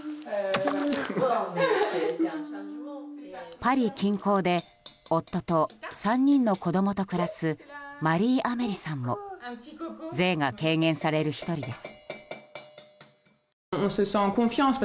パリ近郊で夫と３人の子供と暮らすマリーアメリさんも税が軽減される１人です。